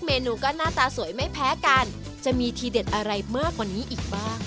เมนูก็หน้าตาสวยไม่แพ้กันจะมีทีเด็ดอะไรมากกว่านี้อีกบ้าง